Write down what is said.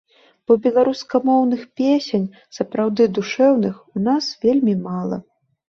Бо беларускамоўных песень, сапраўды душэўных, у нас вельмі мала.